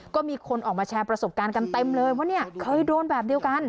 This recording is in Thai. ก็มีคนออกมาแชร์ประสบการณ์กันเต็มเลยว่าเนี่ยเคยโดนแบบเดียวกัน